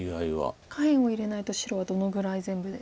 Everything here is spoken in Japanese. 下辺を入れないと白はどのぐらい全部で。